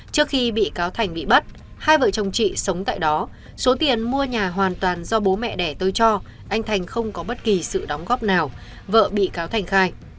trước khi bị cáo thành bị bắt hai vợ chồng chị sống tại đó số tiền mua nhà hoàn toàn do bố mẹ đẻ tôi cho anh thành không có bất kỳ sự đóng góp nào vợ bị cáo thành khai